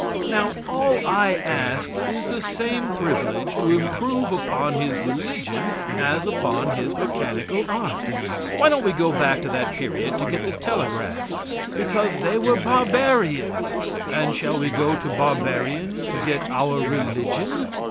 Now, all I ask is the same privilege to improve upon his religion as upon his mechanical arts. Why don't we go back to that period to get the telegraph? Because they were barbarians. And shall we go to barbarians to get our religion?